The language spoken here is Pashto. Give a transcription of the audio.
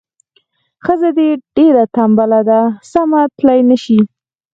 ښځه دې ډیره تنبله ده سمه تلای نه شي.